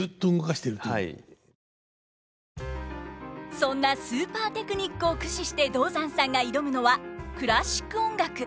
そんなスーパーテクニックを駆使して道山さんが挑むのはクラシック音楽！